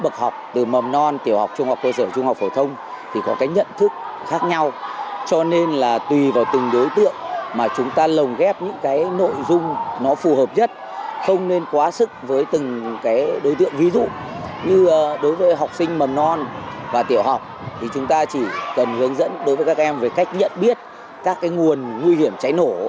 chúng ta chỉ cần hướng dẫn đối với các em về cách nhận biết các nguồn nguy hiểm cháy nổ